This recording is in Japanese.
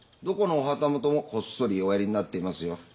どこのお旗本もこっそりおやりになっていますよ。